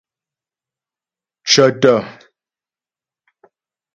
Cə̀tə̀.